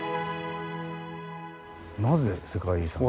なぜ世界遺産に。